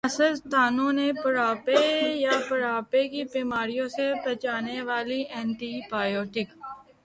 سائنسدانوں نےبڑھاپے یا بڑھاپے کی بیماریوں سے بچانے والی اینٹی بائیوٹک